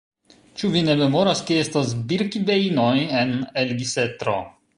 Ĉu vi ne memoras, ke estas Birkibejnoj en Elgisetro?